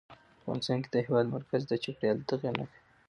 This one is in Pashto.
افغانستان کې د هېواد مرکز د چاپېریال د تغیر نښه ده.